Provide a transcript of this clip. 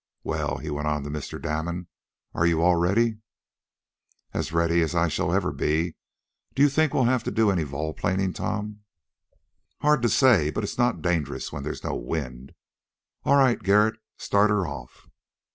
"Well," he went on to Mr. Damon, "are you all ready?" "As ready as I ever shall be. Do you think we'll have to do any vol planing, Tom?" "Hard to say, but it's not dangerous when there's no wind. All right, Garret. Start her off."